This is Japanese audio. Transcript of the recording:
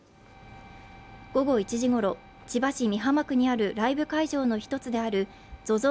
午後１時頃、千葉市美浜区にあるライブ会場の一つであるＺＯＺＯ